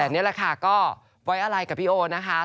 แต่นี่แหละค่ะก็ไว้อะไรกับพี่โอนะคะ